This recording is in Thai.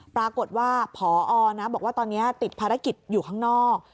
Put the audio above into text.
ปรากฏว่าพอนะบอกว่าตอนนี้ติดภารกิจอยู่ข้างนอก